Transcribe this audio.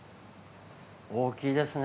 大きいですね。